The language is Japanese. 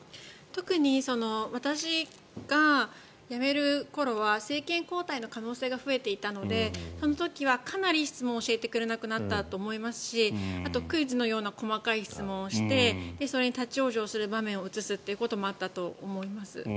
特に、私が辞める頃は政権交代の可能性が増えていたのでその時は、かなり質問を教えてくれなくなったと思いますしあとクイズのような細かい質問をしてそれに立ち往生する場面を映すということもあったと思います。